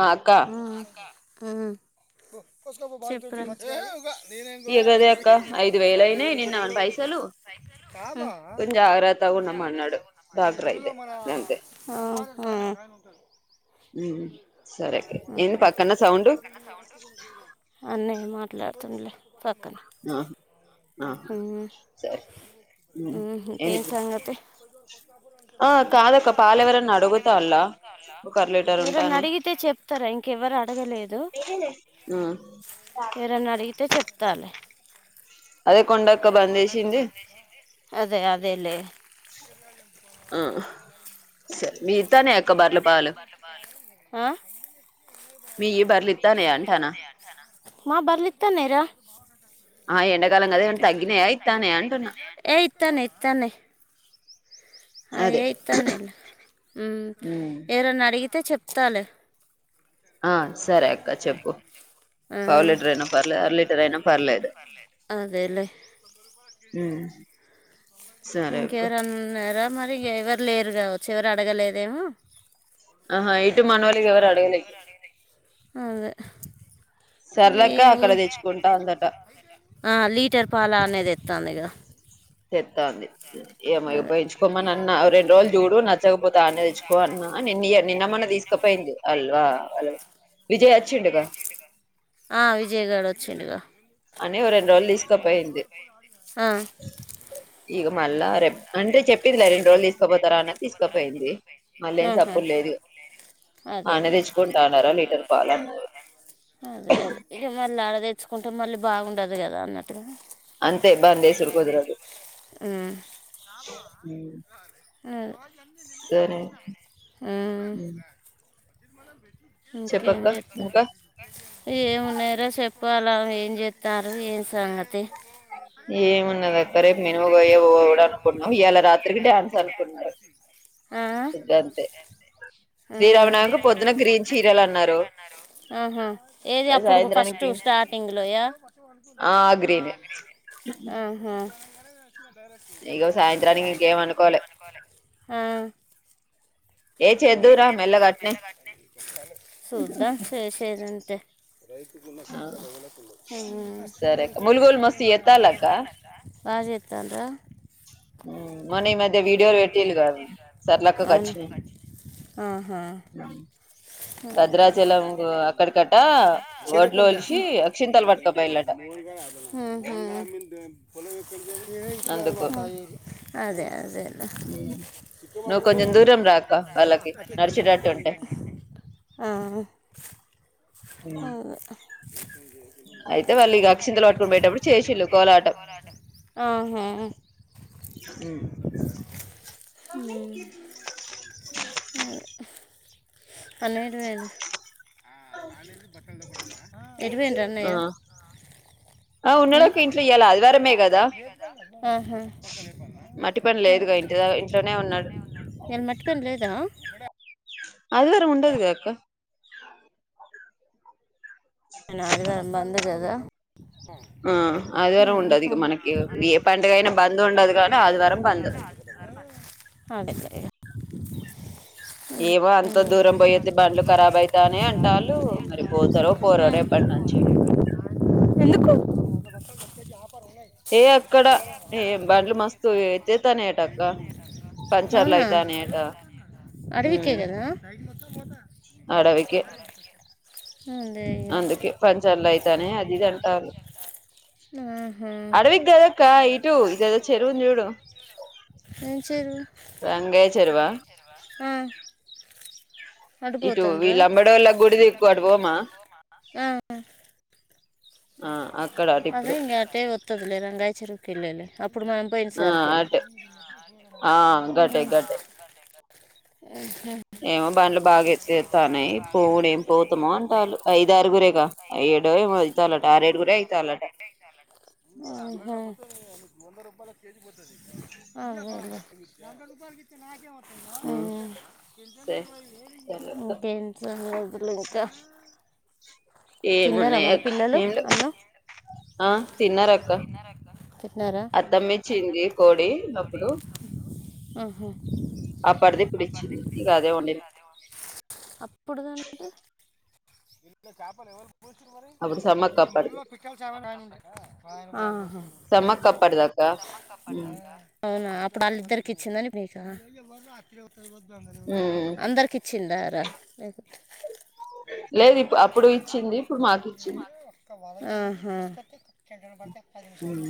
ఆ అక్క అక్క ఇగదే అక్క ఐదు చెప్రా వేలు అయినాయి నిన్న మన పైసలు ఆ కొంచెం జాగ్రత్తగా ఉండమన్నాడు డాక్టర్ ఆ అయితే అ ఉ ఐతే సరే ఏంది పక్కన సౌండు నే మాట్లాడుతుండలే పక్కనే ఆహా ఆహా హూ సరే ఉమ్ ఉహు ఇంకేం ఏంది సంగతి ఆ ఆ కాదక్క పాలు కాదక్క ఎవరన్నా పాల్ ఎవరన్న అడుగుతాల్ల అడుగుతాల్ల ఒక అర లీటర్ ఎరన్నా ఉంటాని అడిగితే చెప్తరా ఇంకెవరు అడగలేదు ఉమ్ ఎవరైన అడిగితే చెప్తా లే అదే కొండక్క బంద్ చేసింది అదే అదేలే ఆ మీ ఇత్తానయా అక్క బర్ల పాలు ఆ మీయి బర్లిత్తనయ అంటానా మా బర్లిత్తానాయి రా ఆ ఎండాకాలం కదా ఏమన్నా తగ్గినాయా ఇత్తానయా అంటున్నా ఏ ఇత్తానై ఇత్తానై అవి అదే ఇత్తన్నయిలే ఉమ్ ఎవరన్నా అడిగితే చెప్తలే ఆ సరే అక్క చెప్పు పావు లీటర్ అయినా పర్లేదు అర ఆ అదేలే ఊ ఇంకెవరనున్నారా మరి ఎవరు లేరు కావచ్చు ఎవరు అడగలేదేమో ఆహా ఇటు మనోళ్ళకి ఎవరు అడగలే అదె సర్లేక్క అక్కడ తెచ్చుకుంటా అందట ఆ లీటర్ పాల్ అన్నే తెత్తాంది గా చెత్తాంది ఎమో ఇగ అదే పోయి ఇచ్చుకోమని అన్నా రెండు రోజులు చూడు నచ్చకపోతే అన్నేతెచ్చుకో అన్న నిన్న ఇయ నిన్న మొన్న తీసుకుపోయింది అల్ అ విజయ్ ఒచ్చిండు గా ఆ విజయ్ గాడు ఒచ్చిండుగా రోల్ తీసుకపోయింది ఇగ మళ్ళ రెప్ అంటే చెప్పిది లే రెండు రోజులు తీసుకుపోతారా అన్న తీసుకుపోయింది మళ్ళ ఏం సప్పుడు లేదు ఆన్నే అదేలే తెచ్చుకుంటా అన్నారా లీటర్ పాలు అన్నది అదే అదే ఇగ మళ అడ దెత్ తెచ్చుకుంటే మళ్ళీ బాగుండదు కదా అన్నట్టుగా అంతే దాంది ఎసుకు కుదరదు అ ఆ సరే ఇంకేం చెప్పక్క చెప్త ఇంకా ఏం ఉన్నాయి రా చెప్ పాలం ఏం చెత్తారు ఏం సంగతి ఏమిన్నద [unintelligible] ఇయాలా రాత్రికి [unintelligible] గంతే. ఆహ్ శ్రీరామనవమికి పొద్దున గ్రీన్ చీరలు అన్నారు ఆహ ఏది అప్పుడు ఫస్ట్. సాయంత్రానికి స్టార్టింగ్ లోయ ఆ గ్రీన్ ఆహ్ గ్రీనే. ఆహ సాయంత్రానికి ఇంక ఏం అనుకోలే. ఆహ్. ఏ ఏం చేద్దువురా చేద్దురా అట్నే మెల్లగా అట్లానే చూద్దాం చేసేదుంటే. ఉమ్ సరే అక్క ములుగులు మస్తు ఎత్తాలక్క [inaudible] బాగ్ చేత్తంన్రా మొన్న ఈ మధ్య వీడియోలు పెట్టీళ్లు గదా సర్లాక్కకి అవును వచ్చినాయి. ఆహా భద్రాచలం ఒడ్లు అక్కడికి అంట [inaudible] ఒలిసి అక్షింతలు పట్టుకపోయిలట ఉమ్మ్. [inaudible] అదే అదే. ఉమ్ నువ్వు కొంచెం దూరం రా అక్క. వాళ్ళకి నడిచేటట్టు ఉంటే ఆహ్. ఉమ్. ఆహ్. అయితేవాళ్ళు ఇగ అక్షింతలు పట్టుకుని పోయేటప్పుడు చేసింళ్ళు కోలాటం. ఆహా. ఉమ్. ఉమ్. అదే వల్లే. ఎటుపోయిన్లు ఎటుపోయింరు అన్నయ్య. ఆ ఉమ్? ఉన్నాడక్క ఇంట్ల ఇయ్యాల ఆదివారమే కదా ఆహా. మట్టి పని లేదుగా ఇంట ద ఇంట్లానే ఉన్నాడు. ఇయిల మట్టిపని లేదా. అందరూ ఉండరు కదాక్క. నాది కదా బందు కదా. ఆహ్ ఆదివారం ఉండదు ఇగ మనకి ఏ పండుగైనా బంద్ ఉండదు గానీ ఆదివారం బంద్. ఆహ్. అడగలేయ. ఏమో అంత దూరం పోయోస్తే బండ్లు ఖరాబ్ అయితాయి అంటాళ్ళు మరి పోతారో పోరో రేపు. పట్నంచే. ఎందుకు. ఇయక్. అక్కడ ఏంబండ్లు మస్తు అయితే ఎత్తేతాయాన్న యట అక్క పంచర్లు అయితయున్నయట. అడవికేగదా. అడవికే. అదే ఇక అందుకే పంచాయిత్లైతాన్నయి అది ఇది అంటాన్రు. ఆహా అడవికి గదాక్క ఇటు ఇదేదో చెరువుంది చూడు. ఏం చేయరు వెంగయ్య చెరువా. ఇటు అడిపోతానరా వీళ్ళా లంబడోళ్ళ గుడిదిక్కు అటు పోమా. ఆహ్ అగ్. అదే ఇంగటే ఒతాదిలే రంగాయచేరుకేలీ. ఇప్పుడు మనం పోయిన్ ఆ సార్కెల్ అటే ఆ గటే గటే ఏమో బండ్లు బాగా ఎత్తేత్తన్నాయి పోవుడు ఏం పోతమో అంటాన్లు ఐదారుగురేగా ఏడు ఏమో వెళ్తారంటా ఆరు ఏడ్గుగురెయితార్. ఆహ్. ఆహ్ అదే అదే. ఉమ్. సరే సరే అక్క ఓకే ఏం సంగతులు ఇంకా తిన్నారా ఏమున్నాయి మరి అక్క పిల్లలు ఏం లెవ్ అన్నం ఆ తిన్నారక్క తిన్నారా అత్తమిచ్చింది కోడి అప్పుడు ఆహ అప్పటిది ఇప్పుడు ఇచ్చింది ఇక అదే వండిన [unintelligible] అప్పుడుదంటే [unintelligible] అప్పుడు సమ్మక్క అప్పటిది సమ్మక్క అప్పటిది అక్క ఉమ్ అహా అవునా ఇప్పుడు అళ్ళీద్దరికి ఇచ్చిందని నీక ఉమ్ అందరికి ఇచ్చింద [unintelligible] లేదు ఇప్ అప్పుడే ఇచ్చింది ఇప్పుడు మాకీచ్చింది అహా అంతేనా ఉమ్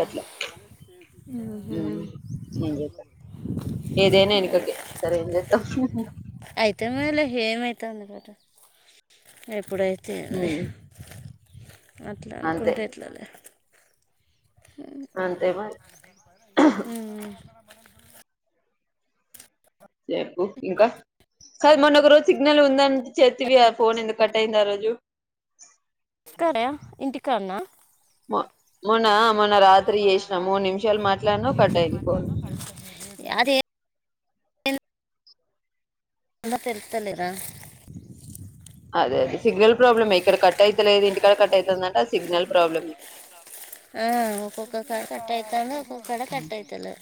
గట్లా ఉహు ఉమ్ [unintelligible] ఏదైనా ఎనకకే సరే ఎంజేత్తం అయితే మేలే ఏమవుతుంది కదా ఎప్పుడైతే ఏంది ఉమ్ అట్లా అంతే అనుకుంటే ఎట్లలే అంతే హమ్ మరి ఊ ఊ చెపు ఇంకా కాదు మొన్న ఒక రోజు సిగ్నల్ ఉందం చెతివి ఆ పోన్ ఎందుకు కట్టయిందారోజు స్కాయ ఇంటికాన్న మో మొన్న మొన్న రాత్రి చేసినవ్ మూడు నిమిషాలు మాట్లాడిన కట్టాయింది ఫోన్ అది అంత తెలుతలేరా అదే అదే సిగ్నల్ ప్రాబ్లమే ఇక్కడ కట్ అవుతలేదు ఇంటికాడ కట్ అవుతుందంటే ఆ సిగ్నల్ ప్రాబ్లమ్ ఆ ఒక్కొక్క క కట్ ఐతంది ఒక్కొక కాడ కట్ అయితలే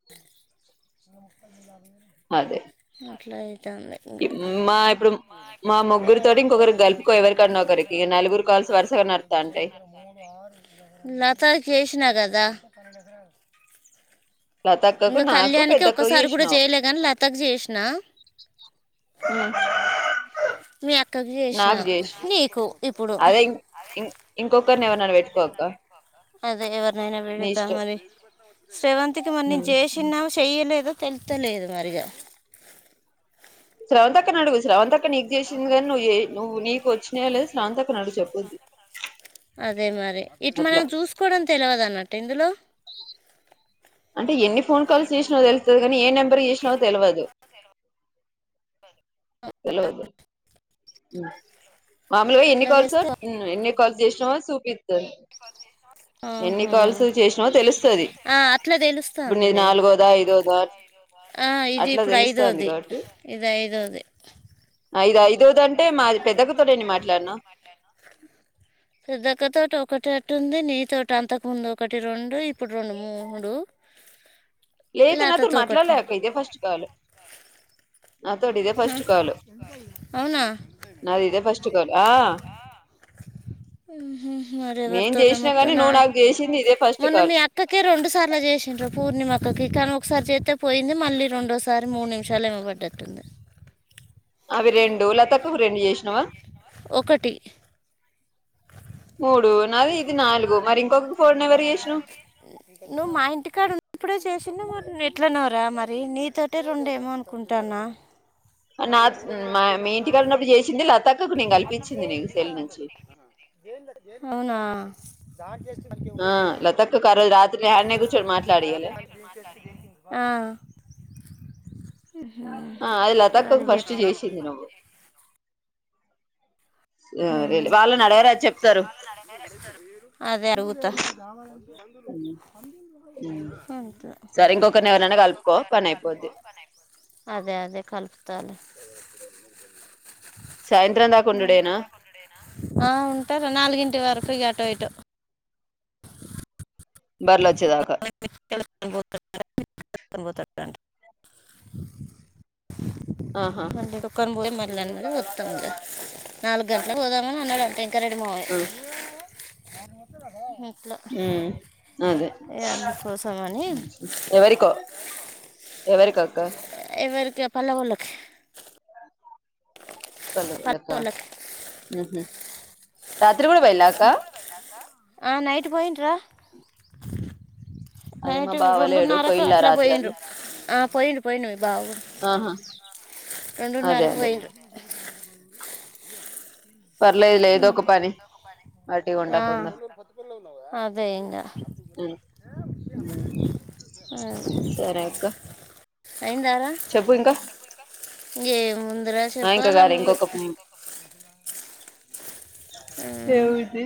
అదే అట్లా అవుతుంది ఇ ఇంకా మా ఇపుడు మా ముగ్గురితోటి ఇంకొకరి గలుపుకో ఎవరికన్నా ఒకరికి నలుగురు కాల్స్ వరుసగా నాడుతా ఉంటాయి లతాక్ ఏష్నా గదా లతక్కకు నాకు పెద్దక్ నువ్ కూడా చేస్నవ్ చేయలే కానీ లతకి చేసిన ఉ మీ అక్కక్ జెస్న నీకు ఇప్పుడు అదే ఇం ఇం ఇంకొకరిని ఎవరన్నానా పెట్టుకోక్క అదే ఎవరినైనా పెడతా మరి శ్రవంతికి మరి నేను చేసినా చెయ్యలేదో తెలుతలేదు మరిగా శ్రవంతి అక్కను అడుగు శ్రవంత అక్క నీకు చేసిందిగానీ నువ్ జే నువ్వు నీ వచ్చినయో లేదో స్రవంతి అక్కనడుగు చెప్పుది అదే మరి ఇటు మనం చూసుకోవడం తెలవదన్నట్ట ఇందులో అంటే ఎన్ని ఫోన్ కాల్స్ చేసినావో తెలుస్తది గనీ ఏ నెంబర్ కీ చేసినావో తెలవదు తెల్వదు ఉ మామూలుగా ఎన్ని అట్లా కాల్స్ తెలిస్తే ఉమ్ ఎన్ని కాల్స్ చేసినావో చూపితరు ఎన్ని ఆహా. కాల్స్ జేసినావో తెలుస్తది ఆ, అట్లా ఇప్పుడు నీది తెలుస్తుందిలే నాలుగోదా ఐదోదా ఆ ఇది అట్లా ఇప్పుడు తెలుస్తాంది ఐదోది కాబట్టి ఇది ఐదోది ఐదు ఐదు ఐదోదంటే మాది ఐదురుకంటే మా పెద్దక్కతో నేను పెద్దక్క తోని మాట్లాడినా ఎన్ని ఏ మాట్లాడతదో పెద్దక్క తోటి ఒకటి అటు ఉంది నీ తోటి అంతకుముంది ఒకటి రెండు ఇప్పుడు రెండు మూడు లేదు నాతోరు లతతో ఒకటి మాట్లాడలేక్క ఇదే ఫస్ట్ కాల్ నాతోటి ఇదే హ ఫస్ట్ కాల్ అవునా నాది ఇదే ఫస్ట్ కాల్ ఆ ఉమ్ ఉమ్ మరీ ఎవరి నేను తోట చేసినా మొత్తం గాని నా నువ్వు నాకు చేసింది ఇదే ఫస్ట్ మొన్న కాల్ మీ అక్కకే రెండు సార్లు చేసిం గ పూర్ణిమ అక్కకు తను ఒకసారి చేస్త పోయింది మళ్ళీ రెండోసారి మూడు నిమిషాలు ఏమో పడ్డటుంది అవి రెండు లతక్కకు రెండు చేసినవా ఒకటి అది ఇది నాలుగు మరి ఇంకొకు నువ్వు మా ఇంటికి వున్నపడే చొప్ చేసిండు మరి ఎట్లనోరా మరి నీతోటె రెండు ఏమో అనుకుంటాన్నా అ నాక్ మా మీ ఇంటికాన ఉన్నప్పుడు చేసింది లత అక్ అవునా ఆ లత అక్కకి ఆరోజు రాత్రి ఇగ అడినే కూర్చొని మళ్తాడియలే ఆ, ఆ అది లత అక్క మరి కి ఫస్ట్ ఎట్లా చేసింది నువ్వు ఉమ్ వాళ్ళని అడగరాదు చెప్తారు అదే అడుగుతా అంతే. సరే ఇంకోకరిని ఎవరినయినా కలుపుకో పని అయిపోది అదే అదే కలిపుతాలే సాయంత్రం దాక ఉండుడేనా ఆ ఉంటారు నాలుగింటి వరకు ఇగ అటో ఇటో బర్ల [unintelligible] ఆ [unintelligible] నాలుగు గంటలకు పోదామని అన్నడు గంట ఇంకా రెడీ మమ్మయ్య ఆ హ ఉమ్ అదే అందుకోసమని ఎవరికో ఎవరికి అక్క మీరు చోపల వాళ్ళకి పల్లె వాళ్ళకి రాత్రి కూడా పోయిల్ల అక్క ఆ నైట్ పోయింట్ర అదే మా నైట్ బావ లేడు రెండున్నరకు పోయిల్లా అట్లా రాత్రి పోయిండ్రు అని ఆ పోయిండు పోయిండు మీ బావ కూడా ఆహా అదే రెండున్నరకు అదే పోయిండు పర్లేదు లే ఏదో ఉమ్, ఒక పని అట్టిగా ఆ ఉండకుండా అదే ఇంగ ఊ సరే అక్క అయిందారా చెప్పు ఇంకా ఎం ఉందిరా ఆ ఇంకా చెప్పాలే కాదు నువ్వే ఇంకొక ఎం ఉమ్, ఉంది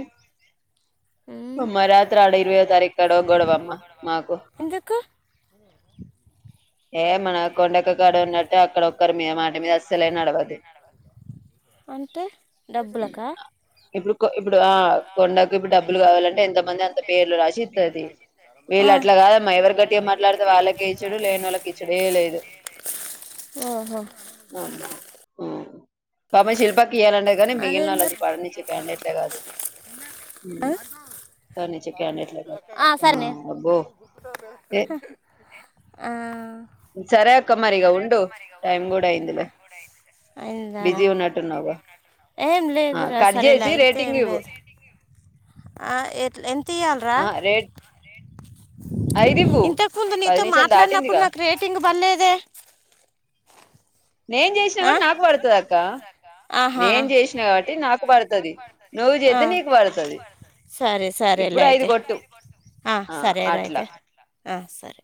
ఉమ్. అమ్మా రాత్రి ఆడ ఇరవయో తారిఖ్ ఆడో గొడవ అమ్మ మాకు ఎందుకు ఈడ మన కొండక్క కాడ ఉన్నట్టు అక్కడొక్కరు మే మాట మీద అస్సలే నడవదు అంటే డబ్బులకా ఇప్పుడు ఇప్పుడు ఆ కొండక ఇప్పుడు డబ్బ కావాలంటే ఎంతమంది అంత పేర్లు రాసిస్తది ఆ, వీళు అట్లా కాదమ్మ ఎవరి గట్టిగా మాట్లాడితే వాళ్ళకే ఇప్పుడు లేనోలకి ఇచ్చుడే ఓహో ఆమ అ పాపం శిల్పకి ఇయ్యాలండే కానీ మిగిలినోళ్లు అదేందరు అసలు పడినిచేకండట్లే కాదు పడనిచ్చే క్యాండిడేట్లే కాదు ఆ సరనే అబ్బో ఏ ఆ సరే క్క మరిగా ఉండు టైం కూడా అయిందిలే అయిందారా బిజీగ ఉన్నట్టున్నావుగా ఏం ఆ లేదురా కట్ సరేలే చేసి అయితే రేటింగ్ ఎం ఇవ్వు లేదు ఆ ఎట్ ఎంత ఇయ్యాల్ రా ఆ రేట్ ఐదు ఇవ్వు ఇంతకు ముందు పది నీతో నిమిషాలు మాట్లాడినప్పుడు దాటిందిగా నాకు రేటింగ్ బర్లేదే నేను చేసినా కాబట్టి నాకు పడ్తాదాక్క ఆహా నేను చేసిన కాబట్టి నాకు పడతది నువ్వు ఆ, జేత్తే నీకు పడతది సరే సరే లే అయితే ఆ సరే ర అయితే అ సరే